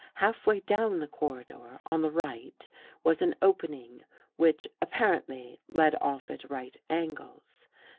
Halfway down the corridor, on the right, was an opening which, apparently, led off at right angles.